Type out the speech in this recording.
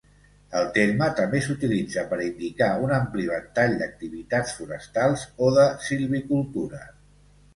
El terme també s'utilitza per a indicar un ampli ventall d'activitats forestals o de silvicultura.